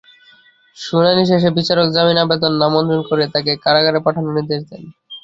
শুনানি শেষে বিচারক জামিন আবেদন নামঞ্জুর করে তাঁকে কারাগারে পাঠানোর নির্দেশ দেন।